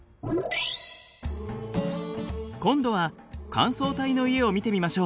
今度は乾燥帯の家を見てみましょう。